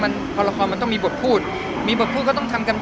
ดูตัวความลืมอีกกา๙๓ห้อะไรครับ